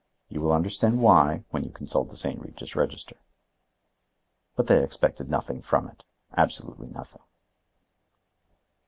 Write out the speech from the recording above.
You will understand why when you consult the St Regis register." But they expected nothing from it; absolutely nothing.